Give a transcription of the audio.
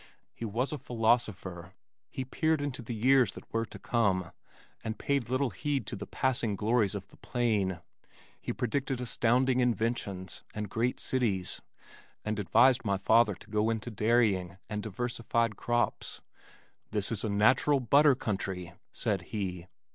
He was a philosopher. He peered into the years that were to come and paid little heed to the passing glories of the plain. He predicted astounding inventions and great cities, and advised my father to go into dairying and diversified crops. "This is a natural butter country," said he.